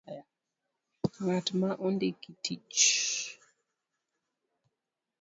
Ng'at ma ondiki tich